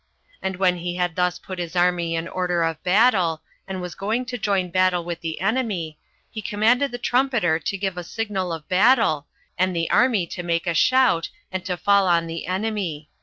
And when he had thus put his army in order of battle, and was going to join battle with the enemy, he commanded the trumpeter to give a signal of battle, and the army to make a shout, and to fall on the enemy.